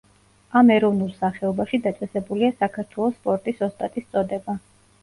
ამ ეროვნულ სახეობაში დაწესებულია საქართველოს სპორტის ოსტატის წოდება.